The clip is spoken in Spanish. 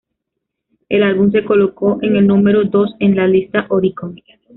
El álbum se colocó en el número dos en las listas Oricon.